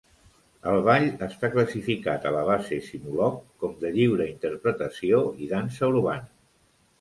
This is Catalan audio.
El ball està classificat a la base Sinulog com de Lliure Interpretació i dansa urbana.